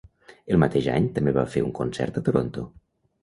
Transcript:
El mateix any també va fer un concert a Toronto.